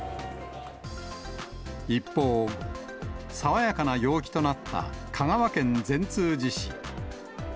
一方、爽やかな陽気となった香川県善通寺市。